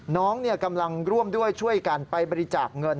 น้องกำลังร่วมด้วยช่วยกันไปบริจาคเงิน